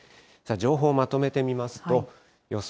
情報をまとめてみますと、予想